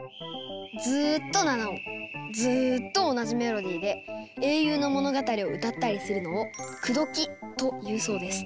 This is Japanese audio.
ずっと７音ずっと同じメロディーで英雄の物語を歌ったりするのを「くどき」というそうです。